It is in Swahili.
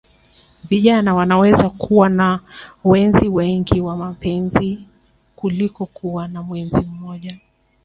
Vijana wanaweza kuwa na wenzi wengi wa mapenzi kuliko kuwa na mwenzi mmoja